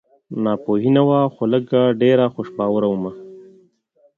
ناپوهي نه وه خو لږ ډېره خوش باوره ومه